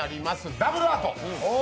ダブルアート。